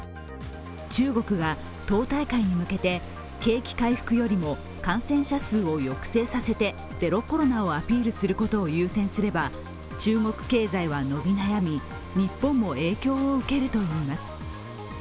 中国が党大会に向けて景気回復よりも、感染者数を抑制させてゼロコロナをアピールすることを優先すれば中国経済は伸び悩み、日本も影響を受けるといいます。